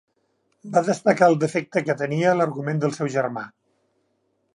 Va destacar el defecte que tenia l'argument del seu germà.